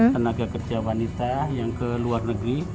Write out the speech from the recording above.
tenaga kerja wanita yang ke luar negeri